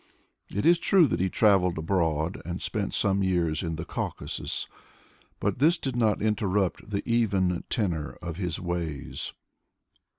It is true that he traveled abroad and spent some years in the Caucasus, but this did not interrupt the even tenor of his ways.